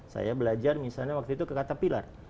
saya belajar misalnya waktu itu ke caterpillar